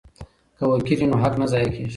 که وکیل وي نو حق نه ضایع کیږي.